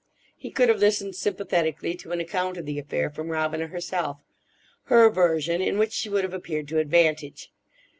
He could have listened sympathetically to an account of the affair from Robina herself—her version, in which she would have appeared to advantage.